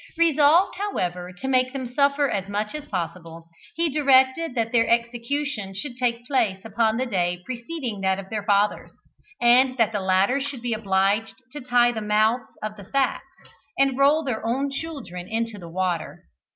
Resolved, however, to make them suffer as much as possible, he directed that their execution should take place upon the day preceding that of their fathers, and that the latter should be obliged to tie the mouths of the sacks, and roll their own children into the water.